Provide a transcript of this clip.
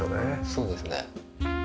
そうですね。